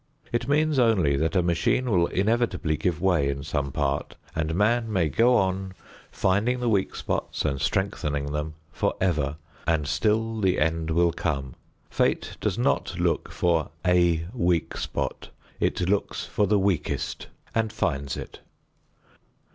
It means only that a machine will inevitably give way in some part, and man may go on finding the weak spots and strengthening them forever and still the end will come. Fate does not look for a weak spot; it looks for the weakest and finds it.